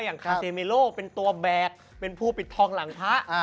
คาเซเมโลเป็นตัวแบกเป็นผู้ปิดทองหลังพระ